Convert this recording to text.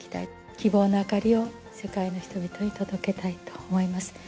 希望のあかりを世界の人々に届けたいと思います。